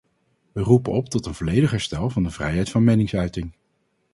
We roepen op tot een volledig herstel van de vrijheid van meningsuiting.